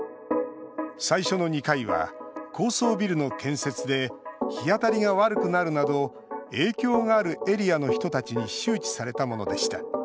最初の２回は高層ビルの建設で日当たりが悪くなるなど影響があるエリアの人たちに周知されたものでした。